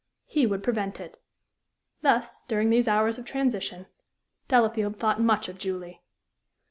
He would prevent it. Thus, during these hours of transition, Delafield thought much of Julie.